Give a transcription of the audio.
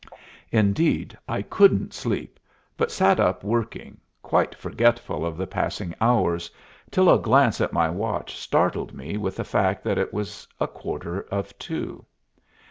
Indeed, I couldn't sleep, but sat up working, quite forgetful of the passing hours, till a glance at my watch startled me with the fact that it was a quarter of two.